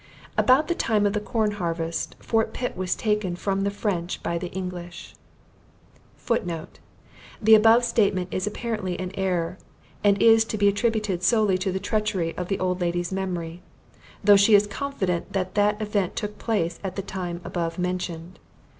About the time of corn harvest, Fort Pitt was taken from the French by the English. [Footnote: The above statement is apparently an error; and is to be attributed solely to the treachery of the old lady's memory; though she is confident that that event took place at the time above mentioned.